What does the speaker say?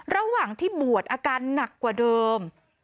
ระหว่างที่บวชอาการหนักกว่าเดิม